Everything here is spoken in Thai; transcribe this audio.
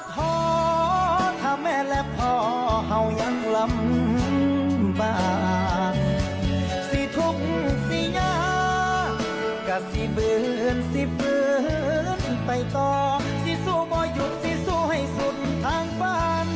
พอหยุดที่สู้ให้สุดทางบ้าน